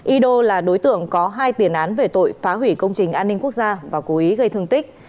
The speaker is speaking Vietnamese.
y đô là đối tượng có hai tiền án về tội phá hủy công trình an ninh quốc gia và cố ý gây thương tích